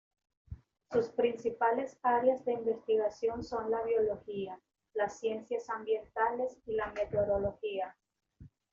Sus principales áreas de investigación son la biología, las ciencias ambientales y la meteorología.